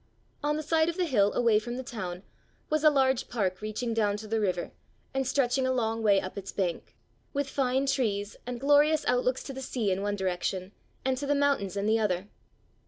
On the side of the hill away from the town, was a large park reaching down to the river, and stretching a long way up its bank with fine trees, and glorious outlooks to the sea in one direction, and to the mountains in the other.